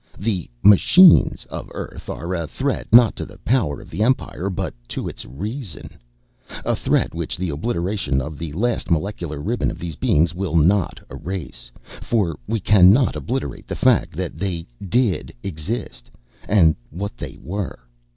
The "Machines" of Earth are a threat not to the power of the Empire but to its reason. A threat which the obliteration of the last molecular ribbon of these beings will not erase, for we cannot obliterate the fact that they did exist and what they were.